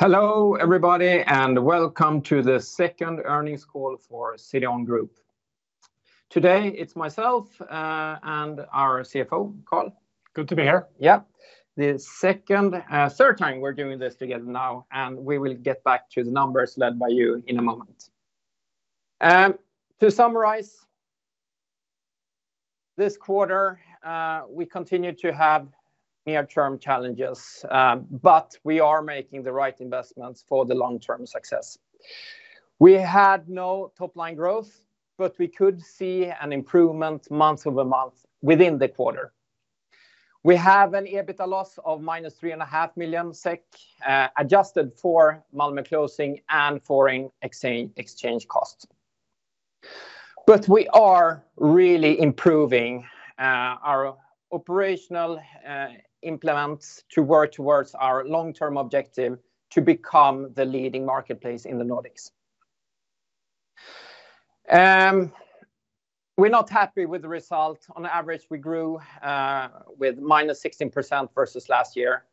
Hello, everybody, and welcome to the second earnings call for CDON Group. Today, it's myself, and our CFO, Carl. Good to be here. Yeah. The second, third time we're doing this together now, and we will get back to the numbers led by you in a moment. To summarize, this quarter, we continued to have near-term challenges, but we are making the right investments for the long-term success. We had no top-line growth, but we could see an improvement month-over-month within the quarter. We have an EBITDA loss of -3.5 million SEK, adjusted for Malmö closing and foreign exchange costs. But we are really improving, our operational, implements to work towards our long-term objective to become the leading marketplace in the Nordics. We're not happy with the result. On average, we grew, with -16% versus last year.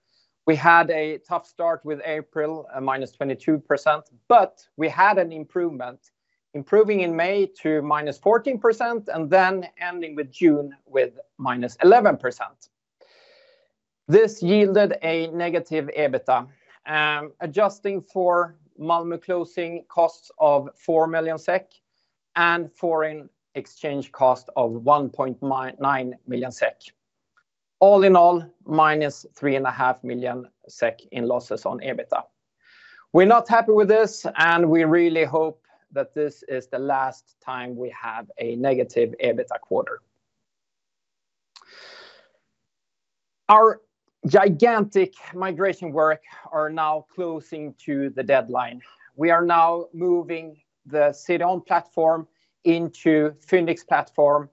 We had a tough start with April, minus 22%, but we had an improvement, improving in May to minus 14%, and then ending with June with minus 11%. This yielded a negative EBITDA, adjusting for Malmö closing costs of 4 million SEK and foreign exchange cost of 1.9 million SEK. All in all, -3.5 million SEK in losses on EBITDA. We're not happy with this, and we really hope that this is the last time we have a negative EBITDA quarter. Our gigantic migration work are now closing to the deadline. We are now moving the CDON platform into Fyndiq's platform,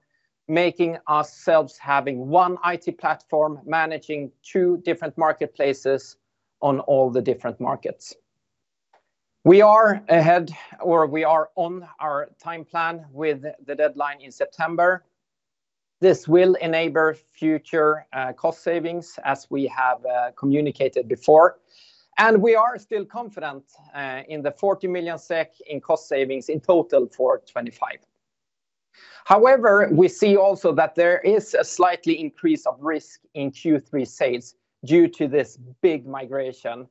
making ourselves having one IT platform managing two different marketplaces on all the different markets. We are ahead, or we are on our time plan with the deadline in September. This will enable future cost savings, as we have communicated before, and we are still confident in the 40 million SEK in cost savings in total for 2025. However, we see also that there is a slightly increase of risk in Q3 sales due to this big migration.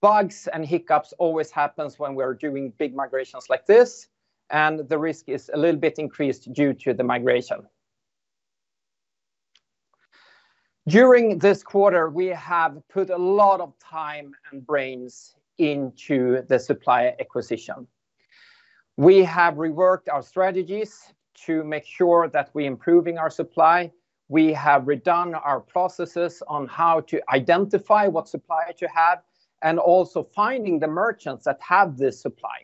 Bugs and hiccups always happens when we're doing big migrations like this, and the risk is a little bit increased due to the migration. During this quarter, we have put a lot of time and brains into the supplier acquisition. We have reworked our strategies to make sure that we're improving our supply. We have redone our processes on how to identify what supplier to have, and also finding the merchants that have this supply.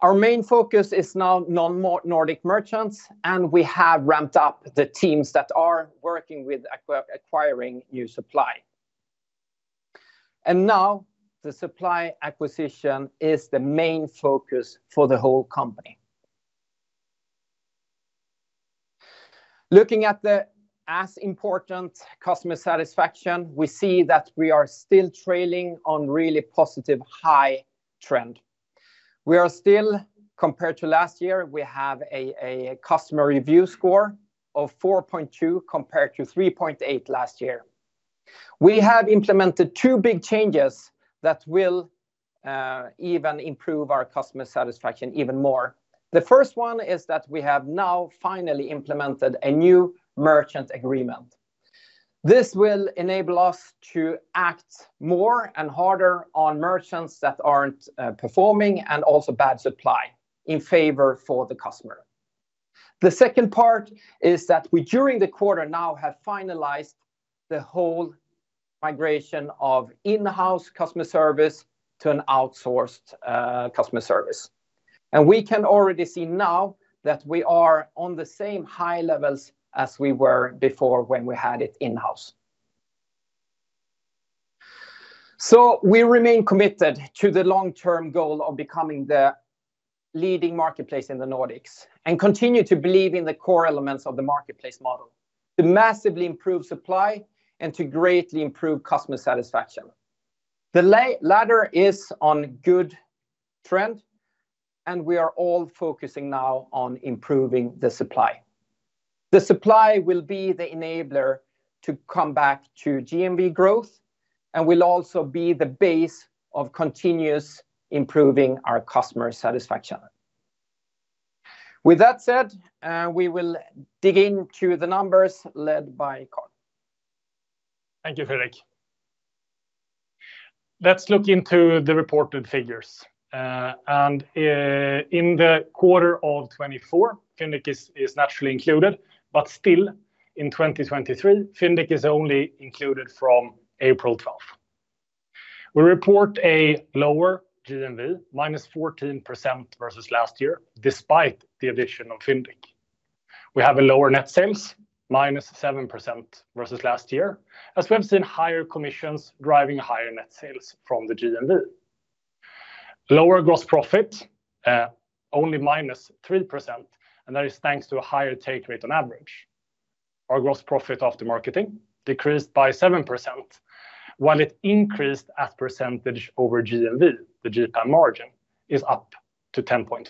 Our main focus is now non-Nordic merchants, and we have ramped up the teams that are working with acquiring new supply. And now, the supply acquisition is the main focus for the whole company. Looking at the as important customer satisfaction, we see that we are still trailing on really positive, high trend. We are still, compared to last year, we have a customer review score of 4.2, compared to 3.8 last year. We have implemented two big changes that will even improve our customer satisfaction even more. The first one is that we have now finally implemented a new merchant agreement. This will enable us to act more and harder on merchants that aren't performing, and also bad supply in favor for the customer. The second part is that we, during the quarter, now have finalized the whole migration of in-house customer service to an outsourced customer service. We can already see now that we are on the same high levels as we were before when we had it in-house. We remain committed to the long-term goal of becoming the leading marketplace in the Nordics, and continue to believe in the core elements of the marketplace model, to massively improve supply and to greatly improve customer satisfaction. The ladder is on good trend, and we are all focusing now on improving the supply. The supply will be the enabler to come back to GMV growth and will also be the base of continuous improving our customer satisfaction. With that said, we will dig into the numbers led by Carl. Thank you, Fredrik. Let's look into the reported figures. In the quarter of 2024, Fyndiq is naturally included, but still, in 2023, Fyndiq is only included from April 12th. We report a lower GMV, -14% versus last year, despite the addition of Fyndiq. We have a lower net sales, -7% versus last year, as we have seen higher commissions driving higher net sales from the GMV. Lower gross profit, only -3%, and that is thanks to a higher take rate on average. Our gross profit after marketing decreased by 7%, while it increased as percentage over GMV, the GPAM margin is up to 10.5%.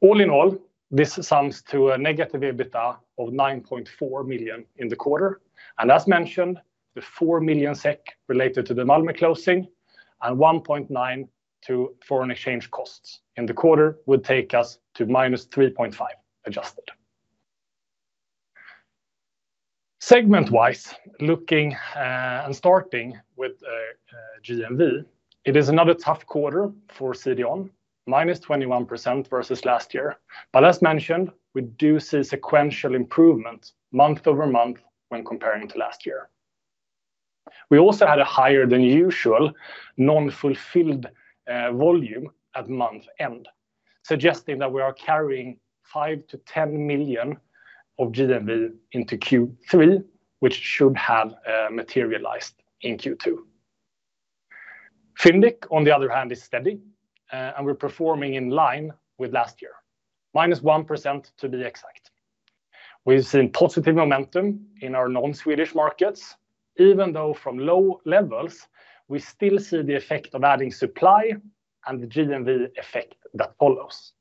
All in all, this sums to a negative EBITDA of 9.4 million in the quarter, and as mentioned, the 4 million SEK related to the Malmö closing and 1.9 million to foreign exchange costs in the quarter would take us to -3.5 adjusted. Segment-wise, looking and starting with GMV, it is another tough quarter for CDON, -21% versus last year. But as mentioned, we do see sequential improvement month-over-month when comparing to last year. We also had a higher than usual non-fulfilled volume at month end, suggesting that we are carrying 5-10 million of GMV into Q3, which should have materialized in Q2. Fyndiq, on the other hand, is steady and we're performing in line with last year, -1%, to be exact. We've seen positive momentum in our non-Swedish markets. Even though from low levels, we still see the effect of adding supply and the GMV effect that follows.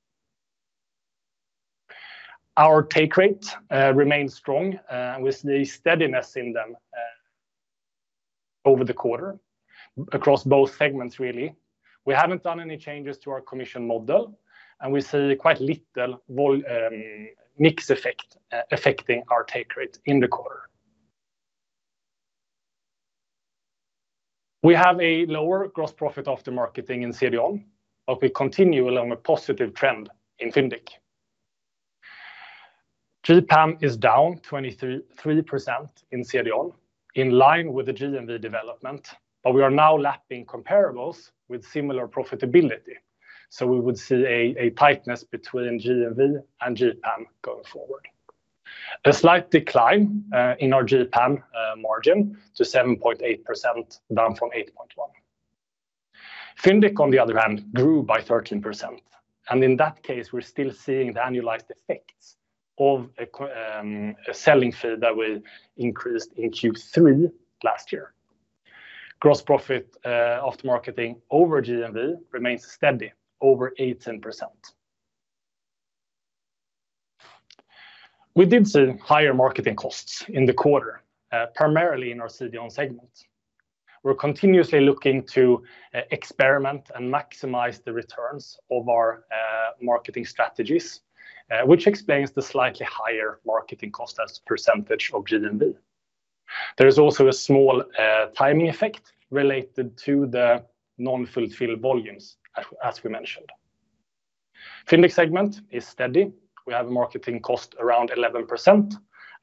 Our take rate remains strong with the steadiness in them over the quarter, across both segments really. We haven't done any changes to our commission model, and we see quite little vol mix effect affecting our take rate in the quarter. We have a lower gross profit after marketing in CDON, but we continue along a positive trend in Fyndiq. GPAM is down 23.3% in CDON, in line with the GMV development, but we are now lapping comparables with similar profitability, so we would see a tightness between GMV and GPAM going forward. A slight decline in our GPAM margin to 7.8%, down from 8.1%. Fyndiq, on the other hand, grew by 13%, and in that case, we're still seeing the annualized effects of a selling fee that we increased in Q3 last year. Gross profit after marketing over GMV remains steady over 18%. We did see higher marketing costs in the quarter, primarily in our CDON segment. We're continuously looking to experiment and maximize the returns of our marketing strategies, which explains the slightly higher marketing cost as a percentage of GMV. There is also a small timing effect related to the non-fulfilled volumes, as we mentioned. Fyndiq segment is steady. We have a marketing cost around 11%,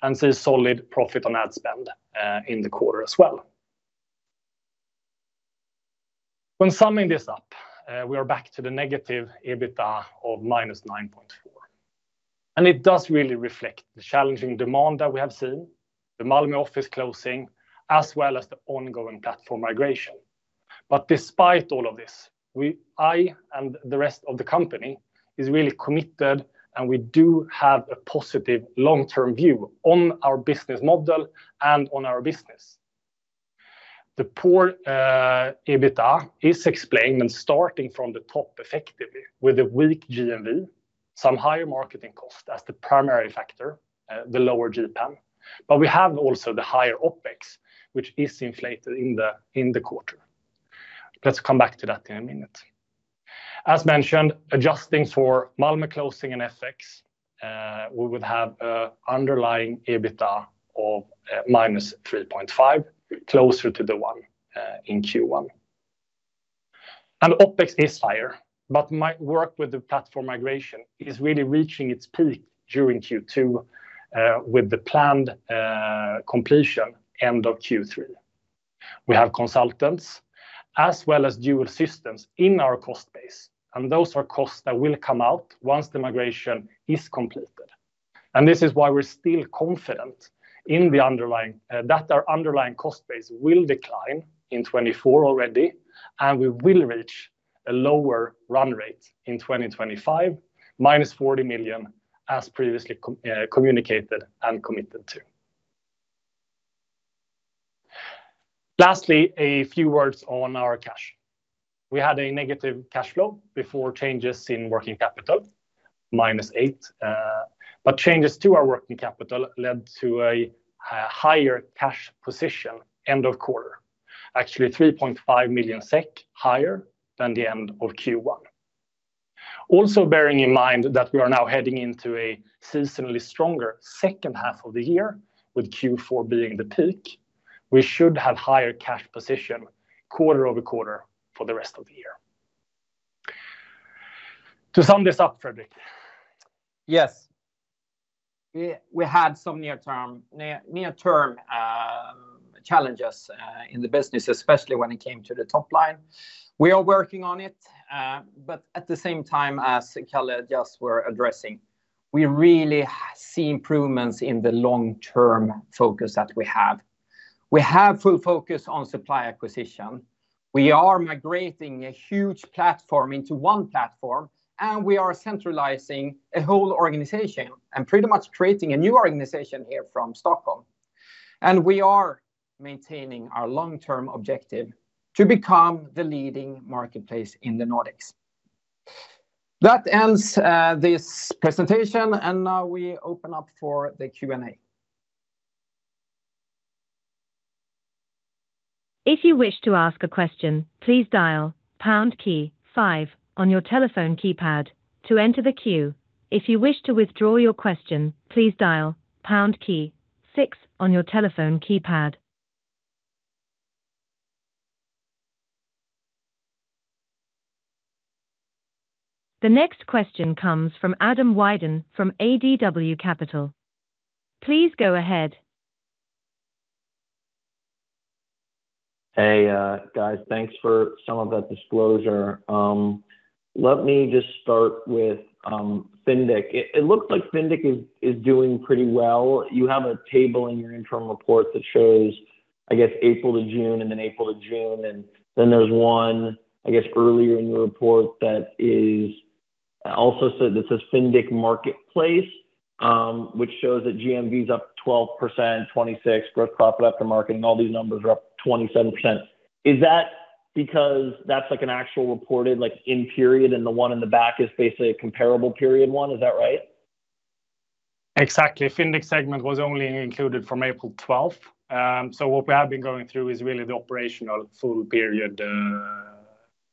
and see solid profit on ad spend in the quarter as well. When summing this up, we are back to the negative EBITDA of -9.4, and it does really reflect the challenging demand that we have seen, the Malmö office closing, as well as the ongoing platform migration. But despite all of this, we, I and the rest of the company, is really committed, and we do have a positive long-term view on our business model and on our business. The poor EBITDA is explained when starting from the top effectively with a weak GMV, some higher marketing cost as the primary factor, the lower GPAM, but we have also the higher OpEx, which is inflated in the quarter. Let's come back to that in a minute. As mentioned, adjusting for Malmö closing and FX, we would have a underlying EBITDA of -3.5, closer to the 1 in Q1. OpEx is higher, but my work with the platform migration is really reaching its peak during Q2, with the planned completion end of Q3. We have consultants as well as dual systems in our cost base, and those are costs that will come out once the migration is completed, and this is why we're still confident in the underlying that our underlying cost base will decline in 2024 already, and we will reach a lower run rate in 2025, -40 million, as previously communicated and committed to. Lastly, a few words on our cash. We had a negative cash flow before changes in working capital, -8, but changes to our working capital led to a higher cash position end of quarter, actually 3.5 million SEK higher than the end of Q1. Also, bearing in mind that we are now heading into a seasonally stronger second half of the year, with Q4 being the peak, we should have higher cash position quarter-over-quarter for the rest of the year. To sum this up, Fredrik? Yes. We had some near-term challenges in the business, especially when it came to the top line. We are working on it.... but at the same time, as Kalle just were addressing, we really see improvements in the long-term focus that we have. We have full focus on supply acquisition. We are migrating a huge platform into one platform, and we are centralizing a whole organization, and pretty much creating a new organization here from Stockholm. And we are maintaining our long-term objective to become the leading marketplace in the Nordics. That ends this presentation, and now we open up for the Q&A. If you wish to ask a question, please dial pound key five on your telephone keypad to enter the queue. If you wish to withdraw your question, please dial pound key six on your telephone keypad. The next question comes from Adam Wyden from ADW Capital. Please go ahead. Hey, guys, thanks for some of that disclosure. Let me just start with Fyndiq. It looks like Fyndiq is doing pretty well. You have a table in your interim report that shows, I guess, April to June, and then April to June, and then there's one, I guess, earlier in the report that says Fyndiq Marketplace, which shows that GMV is up 12%, 26. Gross profit after marketing, all these numbers are up 27%. Is that because that's like an actual reported, like, in period, and the one in the back is basically a comparable period one? Is that right? Exactly. Fyndiq segment was only included from April 12. So what we have been going through is really the operational full period,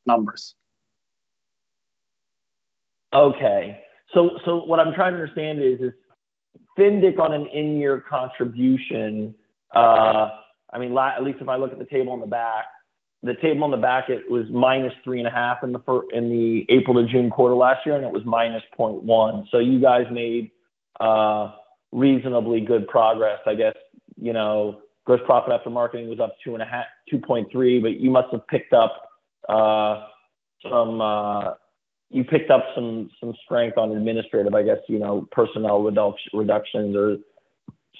numbers. Okay. So what I'm trying to understand is, is Fyndiq on an in-year contribution? I mean, at least if I look at the table on the back, the table on the back, it was -3.5 in the April to June quarter last year, and it was -0.1. So you guys made reasonably good progress. I guess, you know, gross profit after marketing was up 2.5, 2.3, but you must have picked up some, you picked up some strength on administrative, I guess, you know, personnel reductions or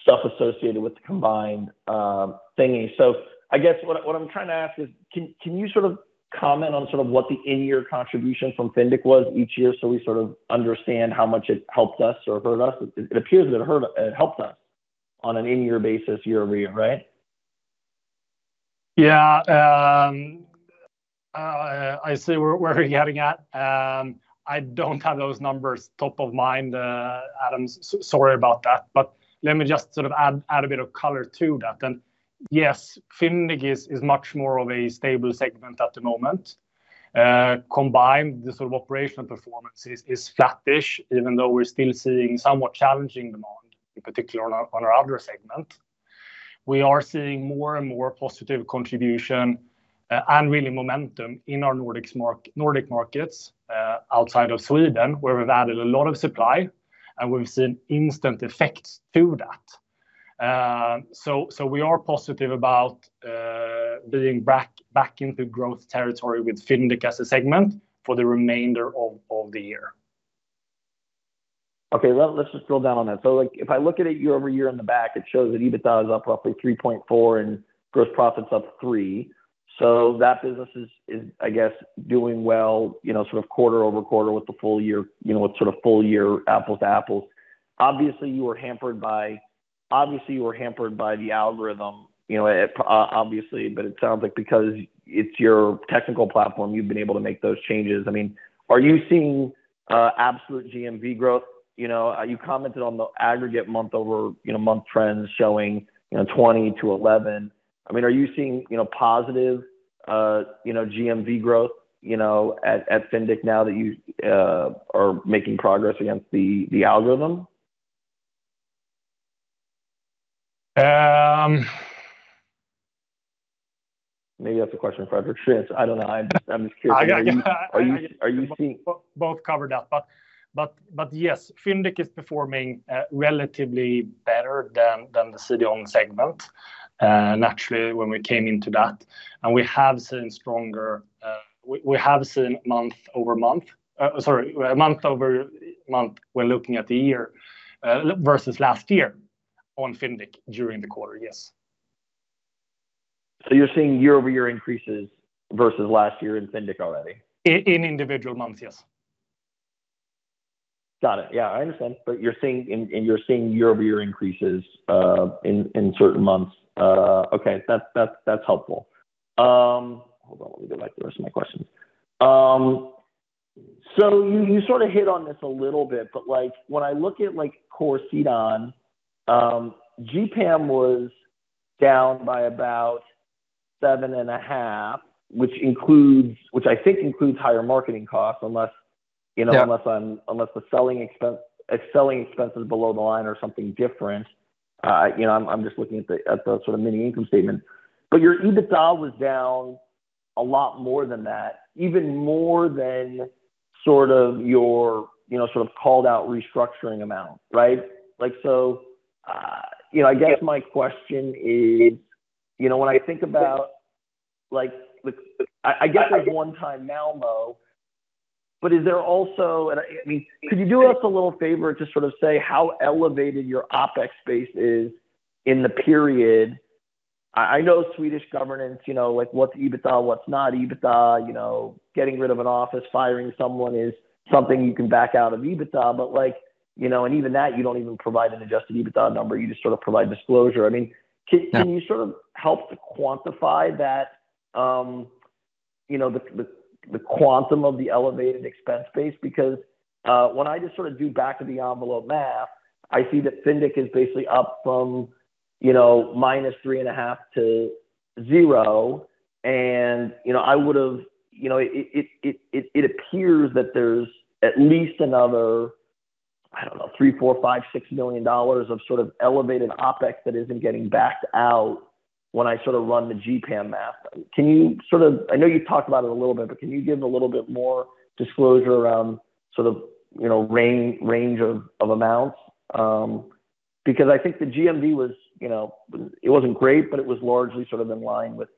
stuff associated with the combined thingy. So I guess what I'm trying to ask is, can you sort of comment on sort of what the in-year contribution from Fyndiq was each year, so we sort of understand how much it helped us or hurt us? It appears it hurt, it helped us on an in-year basis, year-over-year, right? Yeah. I see where you're getting at. I don't have those numbers top of mind, Adam. Sorry about that, but let me just sort of add a bit of color to that. Then, yes, Fyndiq is much more of a stable segment at the moment. Combined, the sort of operational performance is flattish, even though we're still seeing somewhat challenging demand, in particular on our other segment. We are seeing more and more positive contribution, and really momentum in our Nordic markets, outside of Sweden, where we've added a lot of supply, and we've seen instant effects to that. So we are positive about being back into growth territory with Fyndiq as a segment for the remainder of the year. Okay, let's just drill down on that. So, like, if I look at it year-over-year in the back, it shows that EBITDA is up roughly 3.4 and gross profit's up 3. So that business is I guess doing well, you know, sort of quarter-over-quarter with the full year, you know, with sort of full year apples to apples. Obviously, you were hampered by the algorithm, you know, obviously, but it sounds like because it's your technical platform, you've been able to make those changes. I mean, are you seeing absolute GMV growth? You know, you commented on the aggregate month-over-month trends showing, you know, 20-11. I mean, are you seeing, you know, positive, you know, GMV growth, you know, at Fyndiq now that you are making progress against the algorithm? Um... Maybe that's a question for Fredrik Norberg. I don't know. I'm just, I'm just curious. Are you, are you seeing- Both covered that. But yes, Fyndiq is performing relatively better than the CDON segment. Naturally, when we came into that, and we have seen stronger—we have seen month-over-month, month-over-month, we're looking at the year versus last year on Fyndiq during the quarter. Yes. So you're seeing year-over-year increases versus last year in Fyndiq already? In individual months, yes. Got it. Yeah, I understand. But you're seeing year-over-year increases in certain months. Okay, that's helpful. Hold on, let me go back to the rest of my questions. So you sort of hit on this a little bit, but like, when I look at, like, core CDON, GPAM was down by about 7.5, which I think includes higher marketing costs, unless, you know- Yeah... unless the selling expense, selling expenses below the line are something different. You know, I'm just looking at the sort of mini income statement. But your EBITDA was down a lot more than that, even more than sort of your, you know, sort of called out restructuring amount, right? Like, so, you know- Yeah... I guess my question is... You know, when I think about, like, the-- I get, like, one time Malmö, but is there also-- I mean, could you do us a little favor to sort of say how elevated your OpEx space is in the period? I know Swedish governance, you know, like, what's EBITDA? What's not EBITDA? You know, getting rid of an office, firing someone is something you can back out of EBITDA. But like, you know, and even that, you don't even provide an adjusted EBITDA number, you just sort of provide disclosure. I mean, ca- Yeah. Can you sort of help to quantify that, you know, the quantum of the elevated expense base? Because, when I just sort of do back-of-the-envelope math, I see that Fyndiq is basically up from, you know, -3.5 to zero. And, you know, I would have... You know, it appears that there's at least another, I don't know, $3 million, $4 million, $5 million, $6 million of sort of elevated OpEx that isn't getting backed out when I sort of run the GPAM math. Can you sort of... I know you've talked about it a little bit, but can you give a little bit more disclosure around sort of, you know, range of amounts? Because I think the GMV was, you know, it wasn't great, but it was largely sort of in line with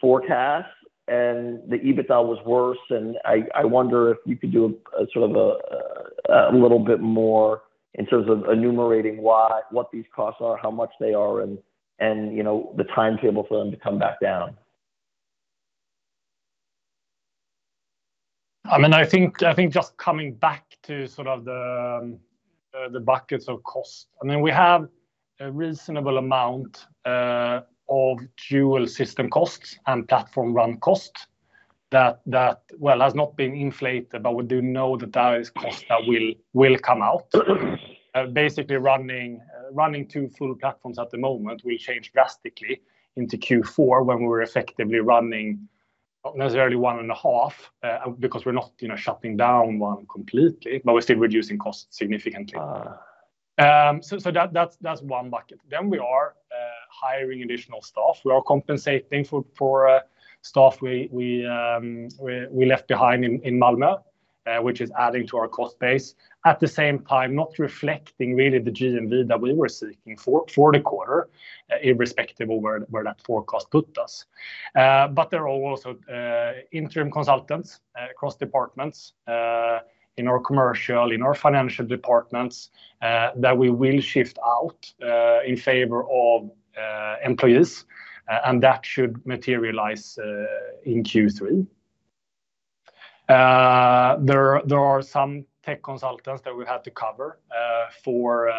forecasts, and the EBITDA was worse. And I wonder if you could do a sort of a little bit more in terms of enumerating why, what these costs are, how much they are, and, you know, the timetable for them to come back down. I mean, I think just coming back to sort of the buckets of cost. I mean, we have a reasonable amount of dual system costs and platform run cost that, well, has not been inflated, but we do know that that is cost that will come out. Basically running two full platforms at the moment will change drastically into Q4, when we're effectively running necessarily one and a half, because we're not, you know, shutting down one completely, but we're still reducing costs significantly. Uh. So that's one bucket. Then we are hiring additional staff. We are compensating for staff we left behind in Malmö, which is adding to our cost base. At the same time, not reflecting really the GMV that we were seeking for the quarter, irrespective of where that forecast put us. But there are also interim consultants across departments in our commercial and financial departments that we will shift out in favor of employees, and that should materialize in Q3. There are some tech consultants that we had to cover for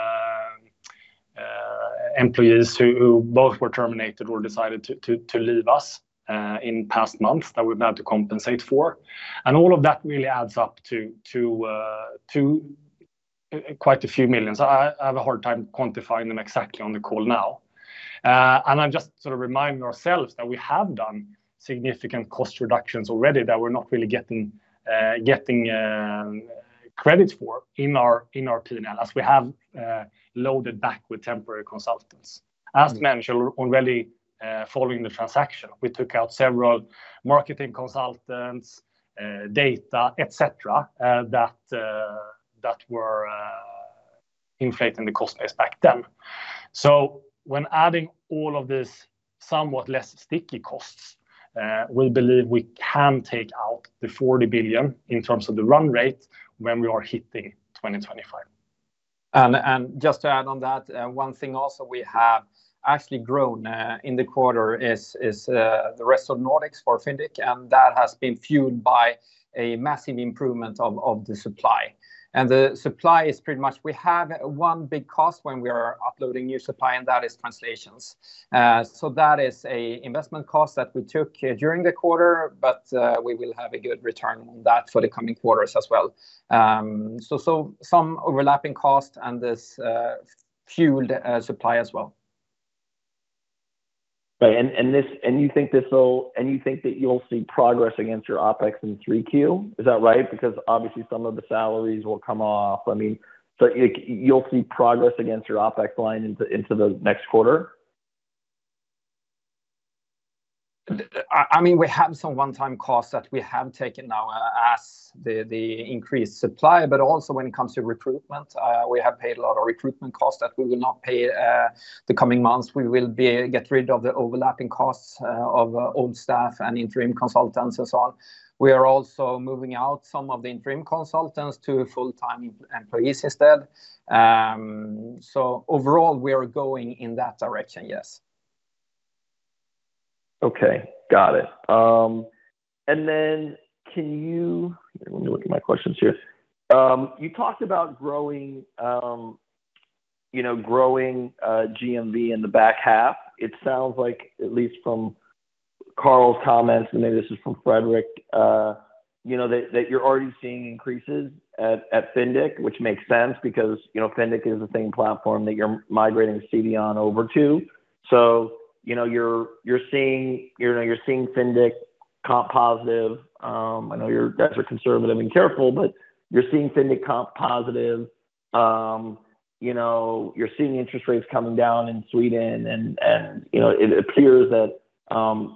employees who both were terminated or decided to leave us in past months, that we've had to compensate for. All of that really adds up to quite a few million SEK. I have a hard time quantifying them exactly on the call now. And I'm just sort of reminding ourselves that we have done significant cost reductions already that we're not really getting credit for in our P&L, as we have loaded back with temporary consultants. As mentioned already, following the transaction, we took out several marketing consultants, data, et cetera, that were inflating the cost base back then. So when adding all of this somewhat less sticky costs, we believe we can take out 40 billion in terms of the run rate when we are hitting 2025. Just to add on that, one thing also we have actually grown in the quarter is the rest of Nordics for Fyndiq, and that has been fueled by a massive improvement of the supply. And the supply is pretty much we have one big cost when we are uploading new supply, and that is translations. So that is an investment cost that we took during the quarter, but we will have a good return on that for the coming quarters as well. So some overlapping costs and this fueled supply as well. Right. And you think that you'll see progress against your OpEx in 3Q, is that right? Because obviously, some of the salaries will come off. I mean, so you'll see progress against your OpEx line into the next quarter? I mean, we have some one-time costs that we have taken now as the increased supply, but also when it comes to recruitment, we have paid a lot of recruitment costs that we will not pay the coming months. We will be get rid of the overlapping costs of old staff and interim consultants and so on. We are also moving out some of the interim consultants to full-time employees instead. So overall, we are going in that direction, yes. Okay, got it. And then can you... Let me look at my questions here. You talked about growing, you know, growing GMV in the back half. It sounds like, at least from Carl's comments, and maybe this is from Fredrik, you know, that, that you're already seeing increases at, at Fyndiq, which makes sense because, you know, Fyndiq is the same platform that you're migrating CDON over to. So, you know, you're, you're seeing, you know, you're seeing Fyndiq comp positive. I know you guys are conservative and careful, but you're seeing Fyndiq comp positive. You know, you're seeing interest rates coming down in Sweden, and you know, it appears that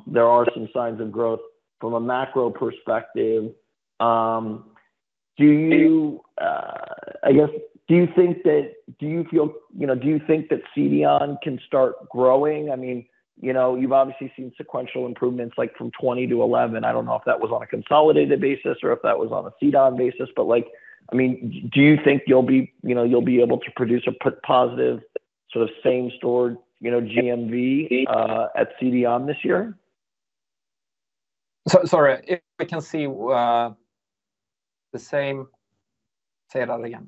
there are some signs of growth from a macro perspective. Do you-... I guess, do you think that, you know, do you think that CDON can start growing? I mean, you know, you've obviously seen sequential improvements, like, from 20 to 11. I don't know if that was on a consolidated basis or if that was on a CDON basis, but, like, I mean, do you think you'll be, you know, you'll be able to produce a positive, sort of, same store, you know, GMV at CDON this year? Sorry, I can see, the same... Say that again.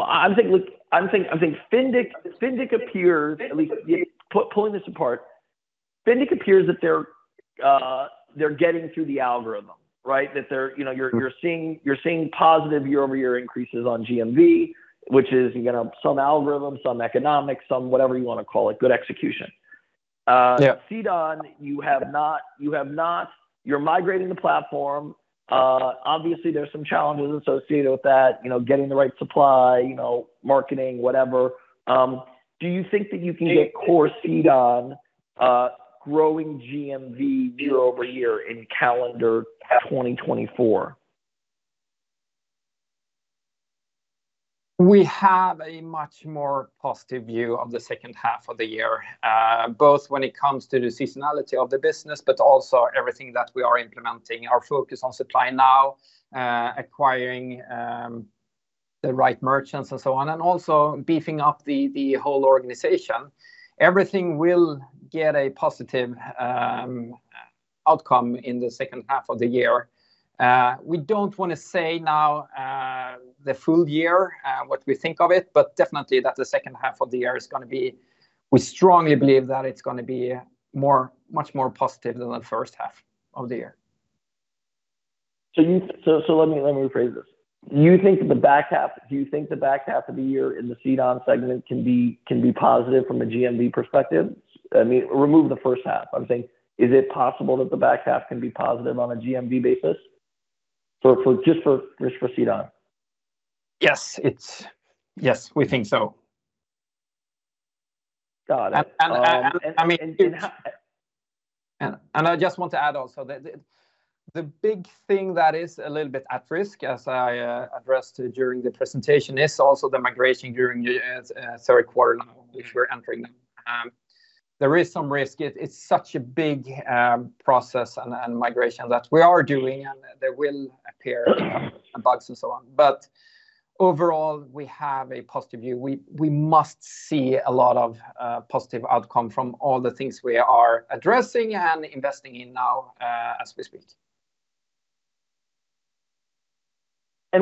Well, I'm thinking, look, I'm thinking Fyndiq, Fyndiq appears, at least pulling this apart, Fyndiq appears that they're, they're getting through the algorithm, right? That they're... You know, you're seeing positive year-over-year increases on GMV, which is, you know, some algorithm, some economics, some whatever you wanna call it, good execution. Yeah. CDON, you have not... You're migrating the platform. Obviously, there are some challenges associated with that, you know, getting the right supply, you know, marketing, whatever. Do you think that you can get core CDON, growing GMV year over year in calendar 2024? We have a much more positive view of the second half of the year, both when it comes to the seasonality of the business, but also everything that we are implementing, our focus on supply now, acquiring the right merchants, and so on. And also beefing up the whole organization. Everything will get a positive outcome in the second half of the year. We don't wanna say now the full year what we think of it, but definitely that the second half of the year is gonna be... We strongly believe that it's gonna be much more positive than the first half of the year. So, let me rephrase this. You think the back half of the year in the CDON segment can be positive from a GMV perspective? I mean, remove the first half. I'm saying, is it possible that the back half can be positive on a GMV basis? Just for CDON. Yes, it's... Yes, we think so. Got it. I mean— And, uh- I just want to add also that the big thing that is a little bit at risk, as I addressed during the presentation, is also the migration during the third quarter, now, which we're entering now. There is some risk. It's such a big process and migration that we are doing, and there will appear bugs and so on. But overall, we have a positive view. We must see a lot of positive outcome from all the things we are addressing and investing in now, as we speak.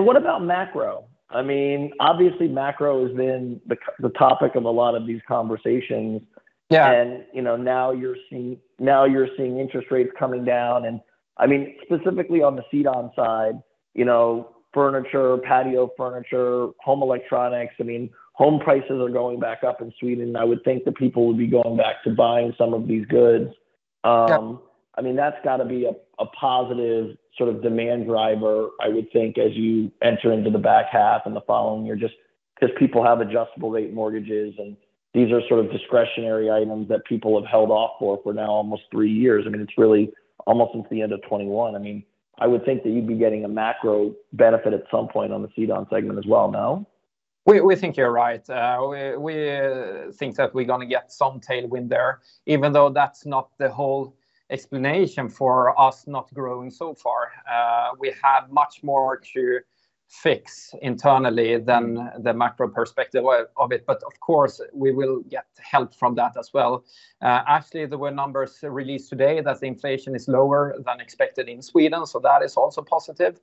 What about macro? I mean, obviously, macro has been the topic of a lot of these conversations. Yeah. You know, now you're seeing, now you're seeing interest rates coming down, and I mean, specifically on the CDON side, you know, furniture, patio furniture, home electronics, I mean, home prices are going back up in Sweden, and I would think that people would be going back to buying some of these goods. Yeah. I mean, that's got to be a positive sort of demand driver, I would think, as you enter into the back half and the following year, just 'cause people have adjustable rate mortgages, and these are sort of discretionary items that people have held off for now almost three years. I mean, it's really almost since the end of 2021. I mean, I would think that you'd be getting a macro benefit at some point on the CDON segment as well, no? We think you're right. We think that we're gonna get some tailwind there, even though that's not the whole explanation for us not growing so far. We have much more to fix internally than the macro perspective of it, but of course, we will get help from that as well. Actually, there were numbers released today that the inflation is lower than expected in Sweden, so that is also positive.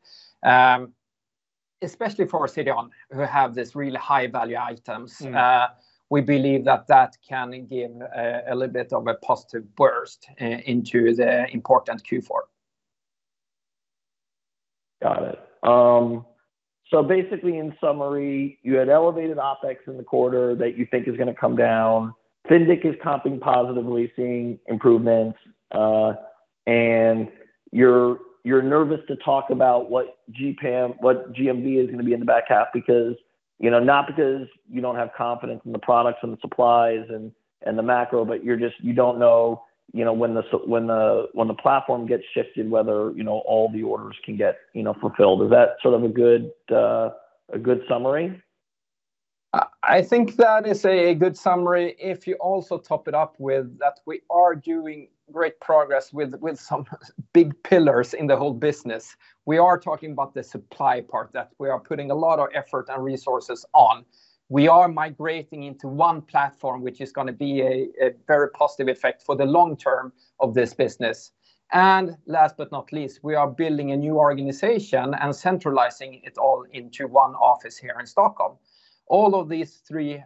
Especially for our CDON, who have this really high-value items. Mm. We believe that that can give a little bit of a positive burst into the important Q4. Got it. So basically, in summary, you had elevated OpEx in the quarter that you think is gonna come down. Fyndiq is comping positively, seeing improvements, and you're, you're nervous to talk about what GPAM, what GMV is gonna be in the back half, because, you know, not because you don't have confidence in the products and the supplies and, and the macro, but you're just, you don't know, you know, when the s- when the, when the platform gets shifted, whether, you know, all the orders can get, you know, fulfilled. Is that sort of a good, a good summary? I think that is a good summary if you also top it up with that we are doing great progress with some big pillars in the whole business. We are talking about the supply part, that we are putting a lot of effort and resources on. We are migrating into one platform, which is gonna be a very positive effect for the long term of this business. And last but not least, we are building a new organization and centralizing it all into one office here in Stockholm. All of these three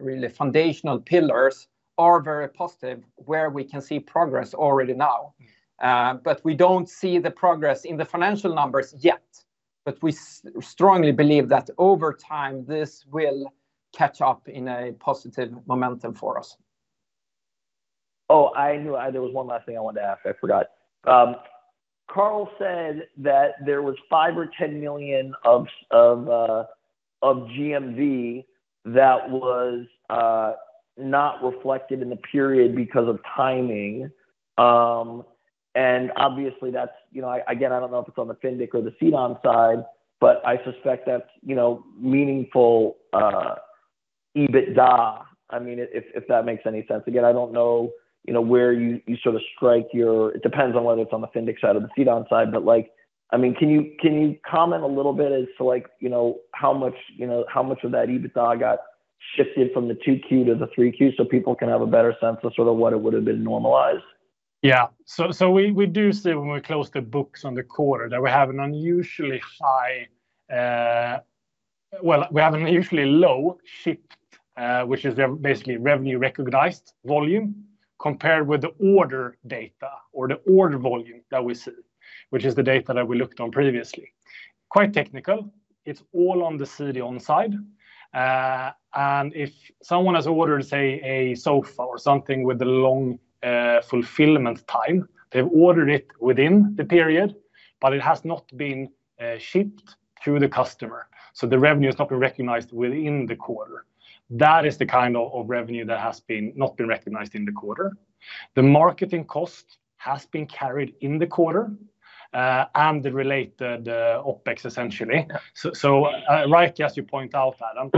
really foundational pillars are very positive, where we can see progress already now. But we don't see the progress in the financial numbers yet, but we strongly believe that over time, this will catch up in a positive momentum for us. Oh, I knew there was one last thing I wanted to ask. I forgot. Carl said that there was 5 million or 10 million of GMV that was not reflected in the period because of timing. And obviously that's, you know, I, again, I don't know if it's on the Fyndiq or the CDON side, but I suspect that's, you know, meaningful EBITDA. I mean, if that makes any sense. Again, I don't know, you know, where you, you sort of strike your-- It depends on whether it's on the Fyndiq side or the CDON side, but, like, I mean, can you, can you comment a little bit as to like, you know, how much, you know, how much of that EBITDA got shifted from the 2Q to the 3Q, so people can have a better sense of sort of what it would have been normalized? Yeah. So we do see when we close the books on the quarter, that we have an unusually high. Well, we have an unusually low shipped, which is basically the revenue recognized volume, compared with the order data or the order volume that we see, which is the data that we looked on previously. Quite technical. It's all on the CDON side. And if someone has ordered, say, a sofa or something with a long fulfillment time, they've ordered it within the period, but it has not been shipped to the customer, so the revenue has not been recognized within the quarter. That is the kind of revenue that has not been recognized in the quarter. The marketing cost has been carried in the quarter, and the related OpEx, essentially. So, rightly, as you point out, Adam,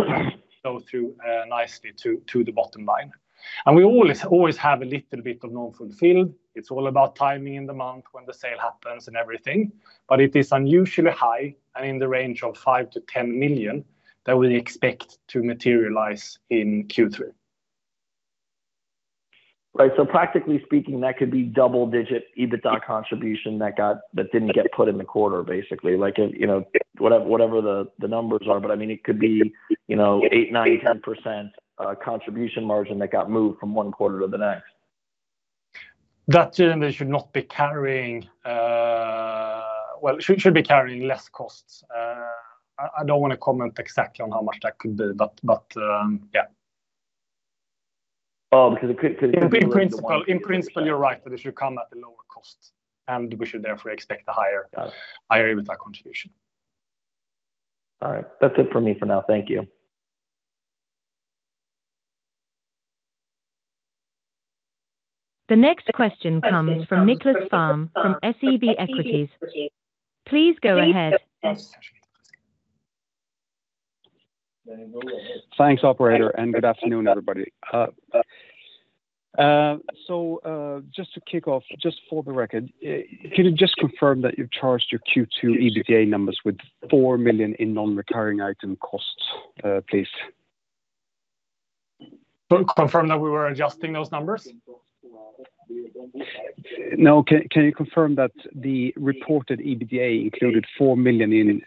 go through nicely to the bottom line. And we always, always have a little bit of non-fulfilled. It's all about timing in the month when the sale happens and everything, but it is unusually high and in the range of 5 million-10 million that we expect to materialize in Q3. Right. So practically speaking, that could be double-digit EBITDA contribution that didn't get put in the quarter, basically. Like, you know, whatever the numbers are, but I mean, it could be, you know, 8, 9, 10% contribution margin that got moved from one quarter to the next. That generally should not be carrying. Well, it should be carrying less costs. I don't wanna comment exactly on how much that could be, but yeah. Well, because it could- In principle, in principle, you're right that it should come at a lower cost, and we should therefore expect a higher- Got it. Higher EBITDA contribution. All right. That's it for me for now. Thank you. The next question comes from Nicklas Fhärm from SEB Equities. Please go ahead. Thanks, operator, and good afternoon, everybody. So, just to kick off, just for the record, could you just confirm that you've charged your Q2 EBITDA numbers with 4 million in non-recurring item costs, please? Confirm that we were adjusting those numbers? Now, can you confirm that the reported EBITDA included 4 million in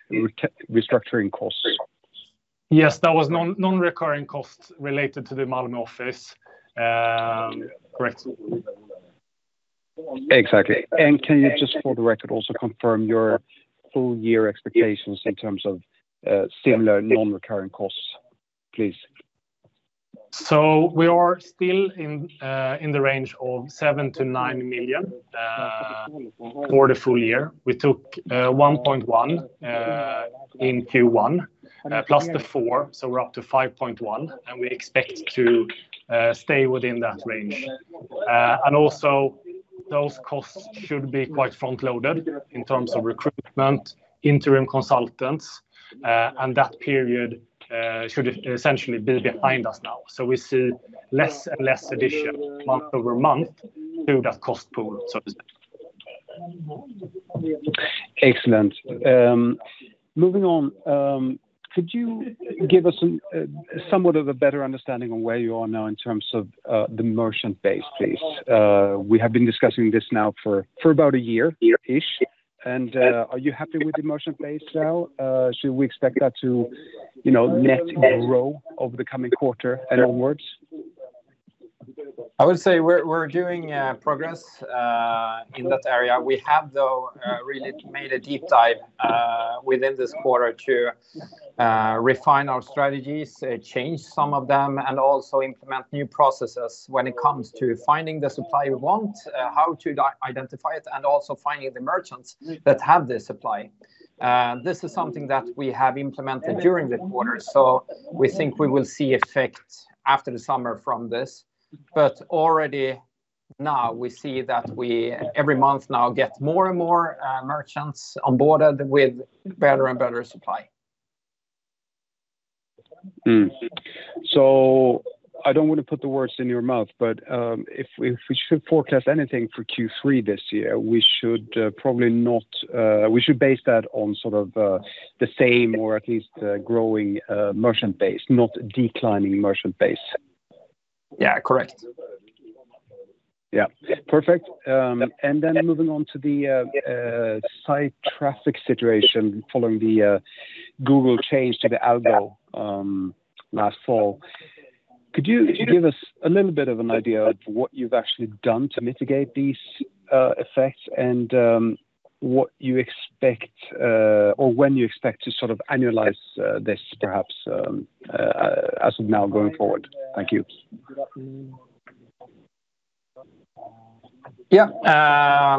restructuring costs? Yes. That was non-recurring costs related to the Malmö office, correct? Exactly. And can you just for the record, also confirm your full year expectations in terms of, similar non-recurring costs, please? So we are still in the range of 7 million-9 million for the full year. We took 1.1 in Q1 plus the 4, so we're up to 5.1, and we expect to stay within that range. And also, those costs should be quite front-loaded in terms of recruitment, interim consultants, and that period should essentially be behind us now. So we see less and less addition month-over-month to that cost pool, so to say. Excellent. Moving on, could you give us a somewhat of a better understanding on where you are now in terms of the merchant base, please? We have been discussing this now for about a year, year-ish. And, are you happy with the merchant base now? Should we expect that to, you know, net grow over the coming quarter and onwards? I would say we're doing progress in that area. We have, though, really made a deep dive within this quarter to refine our strategies, change some of them, and also implement new processes when it comes to finding the supply we want, how to identify it, and also finding the merchants that have the supply. This is something that we have implemented during the quarter, so we think we will see effect after the summer from this. But already now we see that we every month now get more and more merchants onboarded with better and better supply. So I don't want to put the words in your mouth, but if we should forecast anything for Q3 this year, we should probably not, we should base that on sort of the same or at least growing merchant base, not declining merchant base. Yeah, correct. Yeah. Perfect. And then moving on to the site traffic situation following the Google change to the algo last fall. Could you give us a little bit of an idea of what you've actually done to mitigate these effects and what you expect or when you expect to sort of annualize this perhaps as of now going forward? Thank you.... Yeah,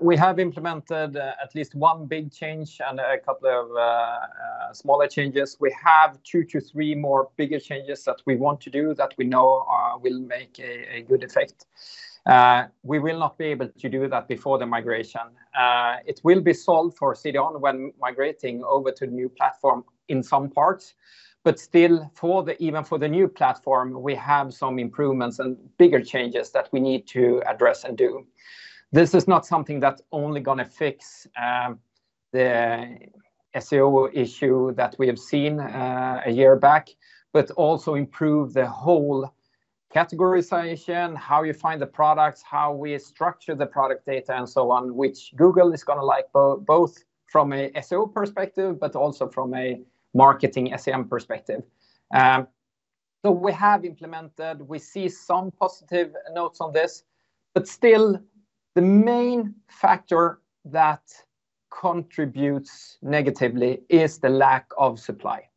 we have implemented at least one big change and a couple of smaller changes. We have two to three more bigger changes that we want to do that we know will make a good effect. We will not be able to do that before the migration. It will be solved for CDON when migrating over to the new platform in some parts, but still, even for the new platform, we have some improvements and bigger changes that we need to address and do. This is not something that's only gonna fix the SEO issue that we have seen a year back, but also improve the whole categorization, how you find the products, how we structure the product data, and so on, which Google is gonna like both from a SEO perspective, but also from a marketing SEM perspective. So we have implemented, we see some positive notes on this, but still the main factor that contributes negatively is the lack of supply.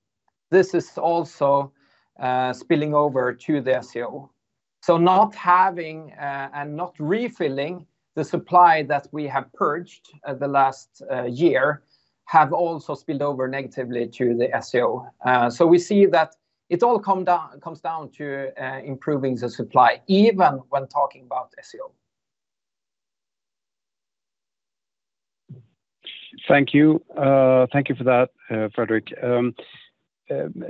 This is also spilling over to the SEO. So not having and not refilling the supply that we have purged the last year have also spilled over negatively to the SEO. So we see that it all comes down to improving the supply, even when talking about SEO. Thank you. Thank you for that, Fredrik.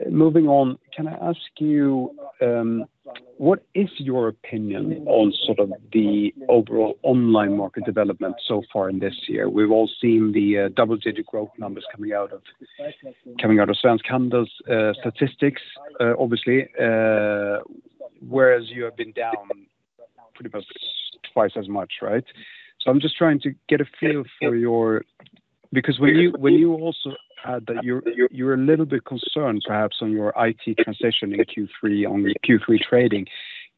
Moving on, can I ask you, what is your opinion on sort of the overall online market development so far in this year? We've all seen the, double-digit growth numbers coming out of Svensk Handel's statistics, obviously, whereas you have been down pretty much twice as much, right? So I'm just trying to get a feel for your... Because when you also add that you're a little bit concerned, perhaps on your IT transition in Q3, on the Q3 trading-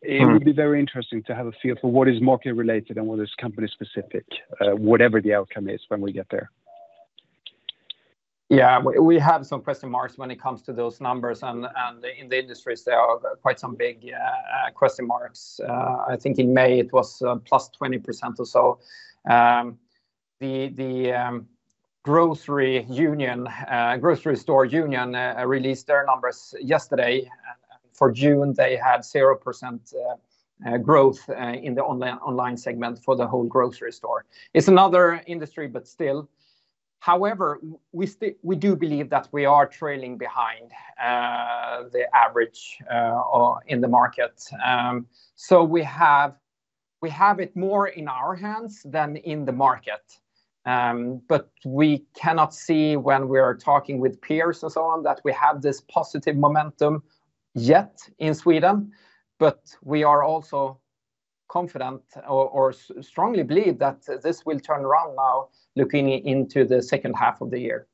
Mm. It would be very interesting to have a feel for what is market related and what is company specific, whatever the outcome is when we get there. Yeah, we have some question marks when it comes to those numbers, and in the industries there are quite some big question marks. I think in May it was +20% or so. The grocery union, grocery store union released their numbers yesterday. And for June, they had 0% growth in the online segment for the whole grocery store. It's another industry, but still... However, we still, we do believe that we are trailing behind the average in the market. So we have it more in our hands than in the market. But we cannot see when we are talking with peers and so on, that we have this positive momentum yet in Sweden. But we are also confident or strongly believe that this will turn around now, looking into the second half of the year.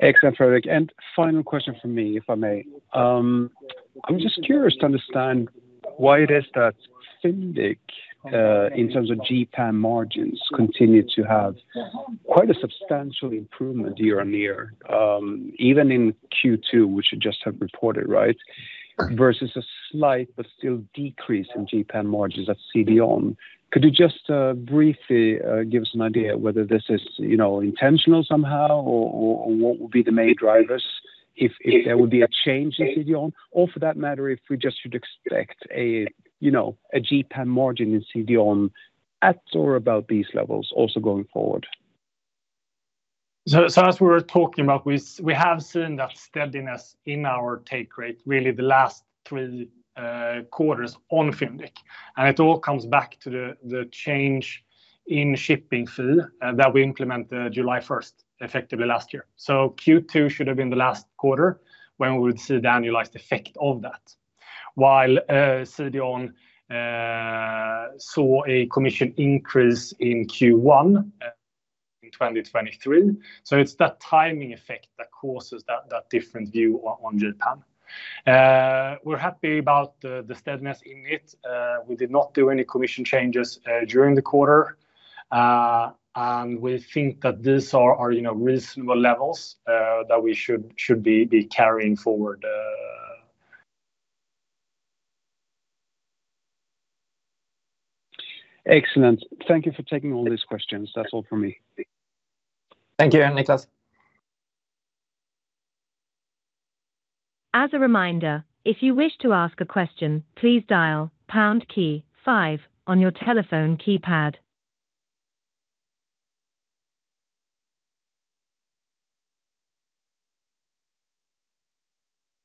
Excellent, Fredrik. And final question from me, if I may. I'm just curious to understand why it is that Fyndiq, in terms of GPAM margins, continue to have quite a substantial improvement year-on-year, even in Q2, which you just have reported, right? Right. Versus a slight, but still decrease in GPAM margins at CDON. Could you just, briefly, give us an idea whether this is, you know, intentional somehow, or, or, or what would be the main drivers if, if there would be a change in CDON? Or for that matter, if we just should expect a, you know, a GPAM margin in CDON at, or about these levels also going forward. So as we were talking about, we have seen that steadiness in our take rate, really the last three quarters on Fyndiq. And it all comes back to the change in shipping fee that we implemented July first, effectively last year. So Q2 should have been the last quarter when we would see the annualized effect of that. While CDON saw a commission increase in Q1 in 2023. So it's that timing effect that causes that different view on GPAM. We're happy about the steadiness in it. We did not do any commission changes during the quarter. And we think that these are, you know, reasonable levels that we should be carrying forward. Excellent. Thank you for taking all these questions. That's all from me. Thank you, Niclas. As a reminder, if you wish to ask a question, please dial pound key five on your telephone keypad.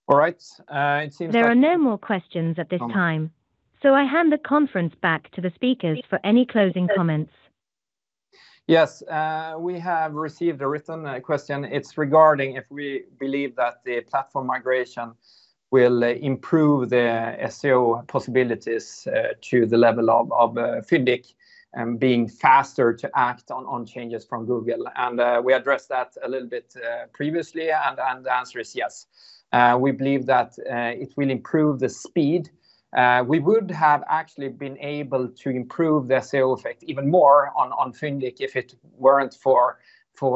All right. It seems like- There are no more questions at this time, so I hand the conference back to the speakers for any closing comments. Yes. We have received a written question. It's regarding if we believe that the platform migration will improve the SEO possibilities to the level of Fyndiq being faster to act on changes from Google. And we addressed that a little bit previously, and the answer is yes. We believe that it will improve the speed. We would have actually been able to improve the SEO effect even more on Fyndiq if it weren't for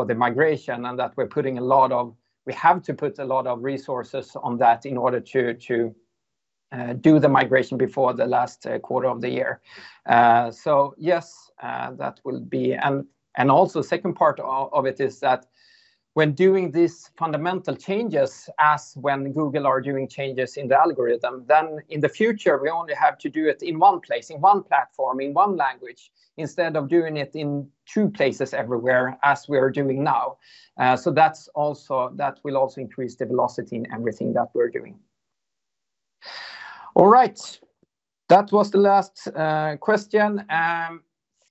the migration, and that we're putting a lot of... We have to put a lot of resources on that in order to do the migration before the last quarter of the year. So yes, that will be... Also, the second part of it is that when doing these fundamental changes, as when Google are doing changes in the algorithm, then in the future, we only have to do it in one place, in one platform, in one language, instead of doing it in two places everywhere, as we are doing now. So that's also that will also increase the velocity in everything that we're doing. All right. That was the last question.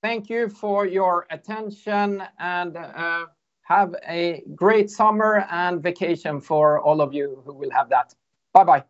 Thank you for your attention, and have a great summer and vacation for all of you who will have that. Bye-bye. Bye.